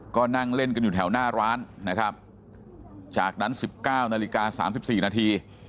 ก็นั่งเล่นกันอยู่แถวหน้าร้านนะครับจากนั้น๑๙นาฬิกา๓๔นาที